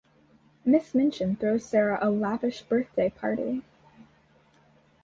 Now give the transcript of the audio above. Miss Minchin throws Sara a lavish birthday party.